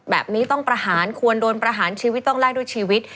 แบบนี้ต้องประหารควรโดนประหารชีวิตต้องแลกด้วยชีวิต